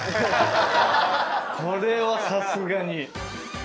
これはさすがに。